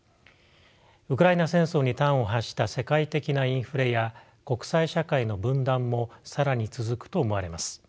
ウクライナ戦争に端を発した世界的なインフレや国際社会の分断も更に続くと思われます。